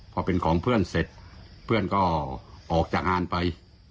พอเป็นของเพื่อนเสร็จเพื่อนก็ออกจากงานไป